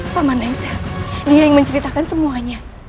paman engsa dia yang menceritakan semuanya